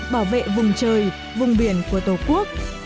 bảo vệ vùng trời vùng biển của tổ quốc